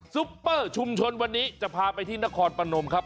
ซุปเปอร์ชุมชนวันนี้จะพาไปที่นครปนมครับ